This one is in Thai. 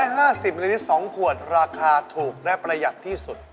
ในได้๒ขวดราคาถูกและประหยังที่สุด